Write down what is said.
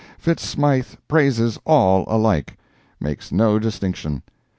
Fitz Smythe praises all alike—makes no distinction.